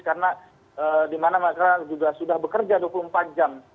karena di mana mereka juga sudah bekerja dua puluh empat jam